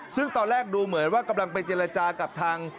ซึ่งตอนแรกดูเหมือนว่ากำลังไปเจรจากับทาง